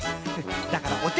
だからおて！